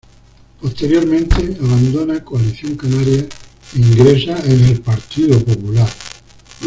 Posteriormente abandona Coalición Canaria e ingresa en el Partido Popular.